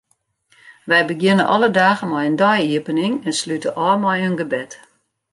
Wy begjinne alle dagen mei in dei-iepening en slute ôf mei in gebed.